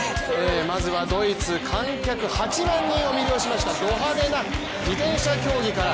まずはドイツ、観客８万人を魅了しましたド派手な自転車競技から。